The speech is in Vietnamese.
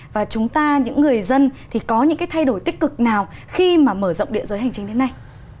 và chúng ta những người dân thì có những cái thay đổi tích cực nào khi mà mở rộng địa giới hành trình đến nay